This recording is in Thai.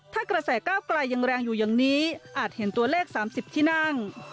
ถ้ากระแสก้าวไกลยังแรงอยู่อย่างนี้อาจเห็นตัวเลข๓๐ที่นั่ง